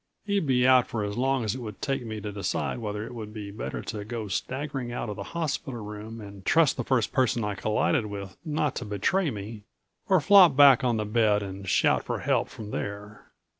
He'd be out for as long as it would take me to decide whether it would be better to go staggering out of the hospital room and trust the first person I collided with not to betray me, or flop back on the bed and shout for help from there.